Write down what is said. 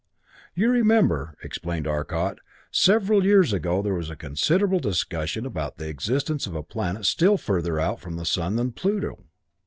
"You remember," explained Arcot, "several years ago there was considerable discussion about the existence of a planet still further out from the sun than Pluto.